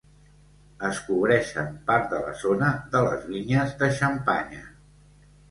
Es cobreixen part de la zona de les Vinyes de Xampanya.